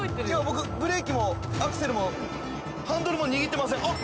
今僕ブレーキもアクセルもハンドルも握ってません。